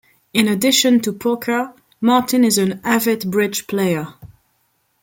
In addition to poker, Martin is an avid bridge player.